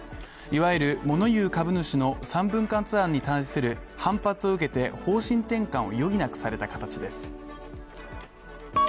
いわゆる物言う株主の３分割案に対する反発を受けて、方針転換を余儀なくされた形です。